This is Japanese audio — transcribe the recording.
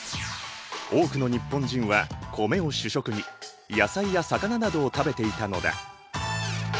多くの日本人は米を主食に野菜や魚などを食べていたのだ。